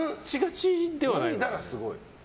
脱いだらすごい？